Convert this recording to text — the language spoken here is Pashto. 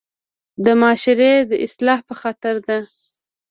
د معاشري د اصلاح پۀ خاطر ده